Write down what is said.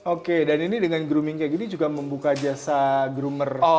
oke dan ini dengan grooming kayak gini juga membuka jasa groomer